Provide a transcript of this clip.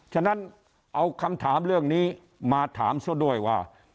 ฉะนั้นเอาคำถามเรื่องนี้มาถามซะด้วยว่า